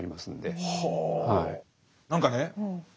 何かね